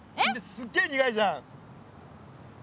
すっげえ苦いじゃん。